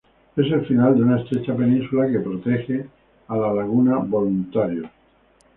Es el final de una estrecha península, que protege a la Laguna Voluntarios.